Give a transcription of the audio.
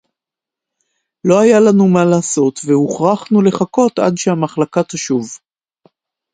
לֹא הָיָה לָנוּ מָה לַעֲשׂוֹת וְהֻוכְרַחְנוּ לְחַכּוֹת עַד שֶׁהַמַּחְלָקָה תָּשׁוּב.